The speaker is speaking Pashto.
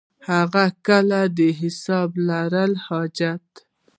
هغه کله د حساب لري حاجت.